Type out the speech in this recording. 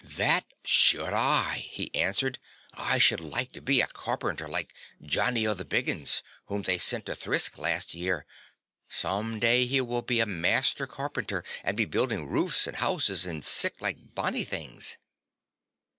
"That should I," he answered; "I should like to be a carpenter like Johnnie o' the Biggins, whom they sent to Thirsk last year. Some day he will be a master carpenter and be building roofs and houses and sic like bonnie things."